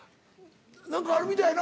何かあるみたいやな。